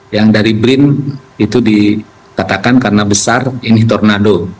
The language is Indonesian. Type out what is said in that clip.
yang dari brin itu dikatakan karena besar ini tornado